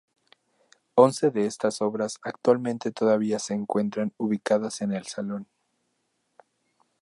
Once de estas obras actualmente todavía se encuentran ubicadas en el salón.